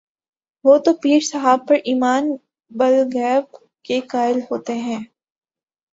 وہ تو پیر صاحب پر ایمان بالغیب کے قائل ہوتے ہیں۔